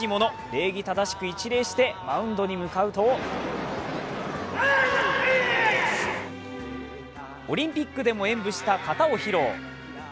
礼儀正しく一礼してマウンドに向かうとオリンピックでも演武した形を披露。